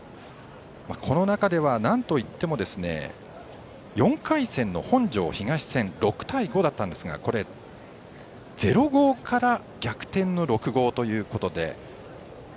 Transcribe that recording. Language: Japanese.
この中では、なんといっても４回戦の本庄東戦６対５だったんですがこれ、０−５から逆転の６−５ということで。